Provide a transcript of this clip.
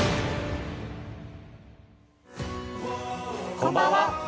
こんばんは。